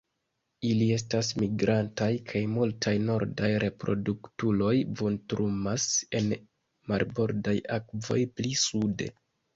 Ili estas migrantaj kaj multaj nordaj reproduktuloj vintrumas en marbordaj akvoj pli sude.